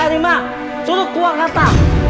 rima suruh keluar kata